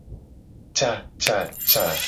Cacaca.